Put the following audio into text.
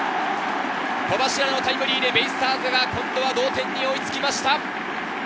戸柱のタイムリーでベイスターズが同点に追いつきました。